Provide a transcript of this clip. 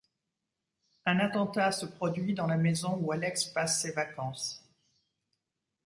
Un attentat se produit dans la maison où Alex passe ses vacances.